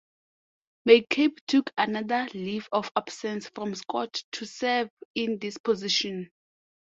McCabe took another leave of absence from Scott to serve in this position.